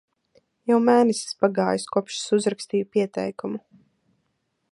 Jau mēnesis pagājis, kopš es uzrakstīju pieteikumu.